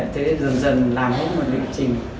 thế dần dần làm hết một lựa chình